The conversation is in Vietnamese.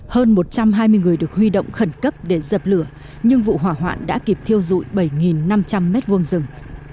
hơn một trăm hai mươi người được huy động khẩn cấp để dập lửa nhưng vụ hỏa hoạn đã kịp thiêu dụi bảy năm trăm linh m hai rừng